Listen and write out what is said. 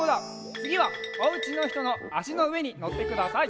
つぎはおうちのひとのあしのうえにのってください。